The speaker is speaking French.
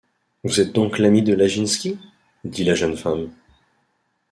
Vous êtes donc l’ami de Laginski? dit la jeune femme.